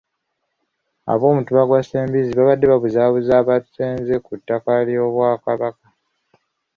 Ab'omutuba gwa Ssembizzi babadde babuzaabuza abasenze ku ttaka ly’Obwakabaka.